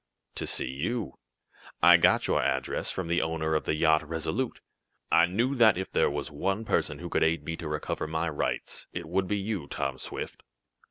"To see you. I got your address from the owner of the yacht Resolute. I knew that if there was one person who could aid me to recover my rights, it would be you, Tom Swift.